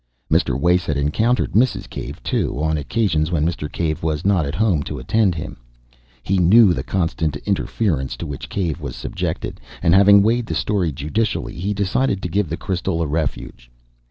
Mr. Wace had encountered Mrs. Cave, too, on occasions when Mr. Cave was not at home to attend to him. He knew the constant interference to which Cave was subjected, and having weighed the story judicially, he decided to give the crystal a refuge.